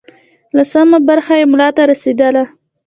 لسمه برخه یې ملا ته رسېدله.